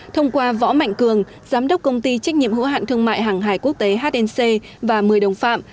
thông qua võ mạnh cường giám đốc công ty trách nhiệm hữu hạn thương mại hàng hải quốc tế hnc và một mươi đồng phạm